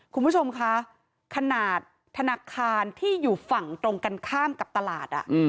คุณผู้ชมคะขนาดธนาคารที่อยู่ฝั่งตรงกันข้ามกับตลาด